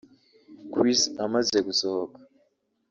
Chris amaze gusohoka